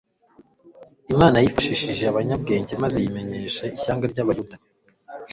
Imana yifashishije abanyabwenge maze imenyesha ishyanga ry'Abayuda,